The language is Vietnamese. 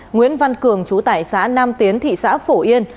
nguyễn văn cường chú tại xã nam tiến thị xã phổ yên